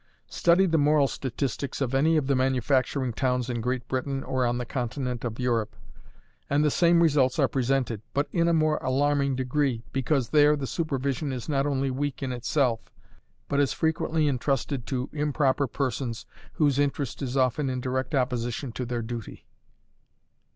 Study the moral statistics of any of the manufacturing towns in Great Britain or on the Continent of Europe, and the same results are presented, but in a more alarming degree, because there the supervision is not only weak in itself, but is frequently intrusted to improper persons, whose interest is often in direct opposition to their duty.